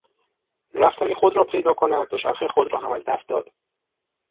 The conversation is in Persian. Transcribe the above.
رفت سگ خود را پیدا کند دوچرخه خود را هم از دست داد.